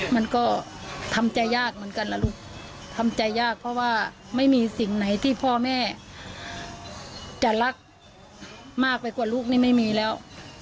มันก็ทำใจยากเหมือนกันนะลูกทำใจยากเพราะว่าไม่มีสิ่งไหนที่พ่อแม่จะรักมากไปกว่าลูกนี่ไม่มีแล้ว